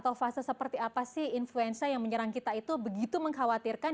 atau fase seperti apa sih influenza yang menyerang kita itu begitu mengkhawatirkan